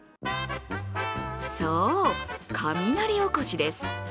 そう、雷おこしです。